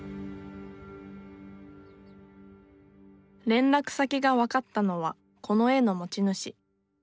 連絡先がわかったのはこの絵の持ち主。